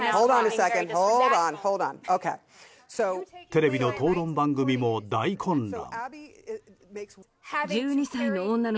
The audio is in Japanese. テレビの討論番組も大混乱。